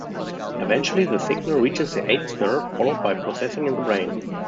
Eventually the signal reaches the eighth nerve, followed by processing in the brain.